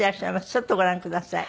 ちょっとご覧ください。